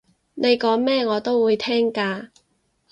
你講咩我都會聽㗎